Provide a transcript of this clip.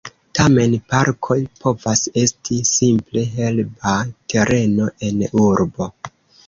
Tamen, parko povas esti simple herba tereno en urbo.